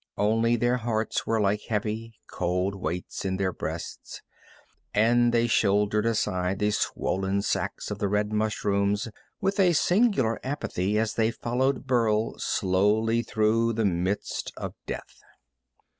Only their hearts were like heavy, cold weights in their breasts, and they shouldered aside the swollen sacs of the red mushrooms with a singular apathy as they followed Burl slowly through the midst of death.